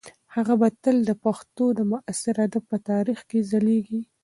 هغه به تل د پښتو د معاصر ادب په تاریخ کې ځلیږي.